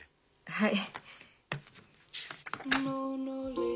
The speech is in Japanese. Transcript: はい。